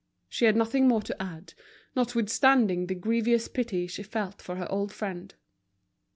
She had nothing more to add, notwithstanding the grievous pity she felt for her old friend.